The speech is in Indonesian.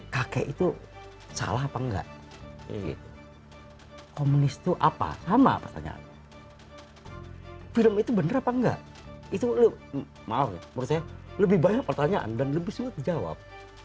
kakek itu salah apa enggak komunis itu apa sama pertanyaan film itu benar apa enggak itu lu maaf menurut saya lebih banyak pertanyaan dan lebih sulit dijawab